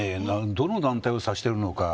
どの団体を指しているのか。